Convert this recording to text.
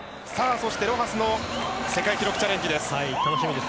そしてロハスの世界記録チャレンジです。